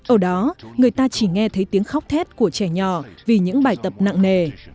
ở đó người ta chỉ nghe thấy tiếng khóc thét của trẻ nhỏ vì những bài tập nặng nề